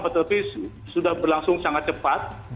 tetapi sudah berlangsung sangat cepat